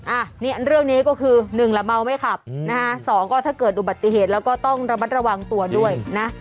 อ่ะเรื่องนี้ก็คือ๑ละเมาไม่ขับ๒ถ้าเกิดอุบัติเหตุแล้วก็ต้องระมัดระวังตัวด้วยนะ